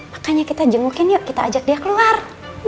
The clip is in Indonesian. makanya kita jengukin yuk kita ajak dia keluar